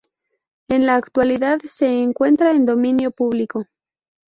En la actualidad se encuentra en dominio público.